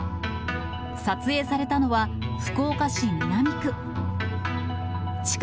撮影されたのは、福岡市南区。